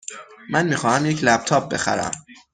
من می خواهم یک لپ تاپ بخرم.